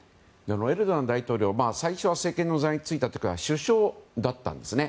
エルドアン大統領は最初、政権の座についた時は首相だったんですね。